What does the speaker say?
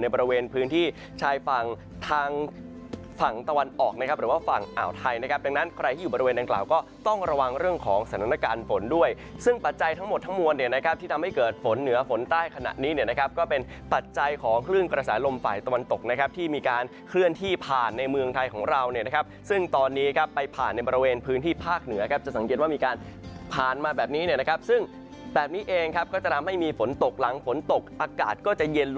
นี้นะครับที่ทำให้เกิดฝนเหนือฝนใต้ขณะนี้นะครับก็เป็นปัจจัยของเครื่องกระแสลมฝ่ายตะวันตกนะครับที่มีการเคลื่อนที่ผ่านในเมืองไทยของเรานะครับซึ่งตอนนี้ครับไปผ่านในบริเวณพื้นที่ภาคเหนือครับจะสังเกตว่ามีการผ่านมาแบบนี้นะครับซึ่งแบบนี้เองครับก็จะทำให้มีฝนตกหลังฝนตกอากาศก็